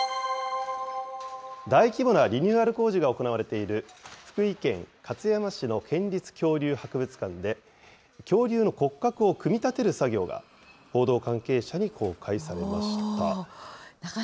大規模なリニューアル工事が行われている、福井県勝山市の県立恐竜博物館で、恐竜の骨格を組み立てる作業が、報道関係者に公開されました。